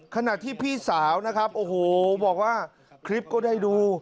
ขณะที่พี่สาวนะครับโอ้โหบอกว่าคลิปก็ได้ดู